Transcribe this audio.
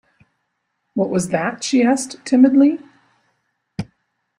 What was that? she asked, timidly.